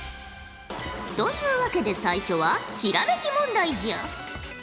というわけで最初はひらめき問題じゃ。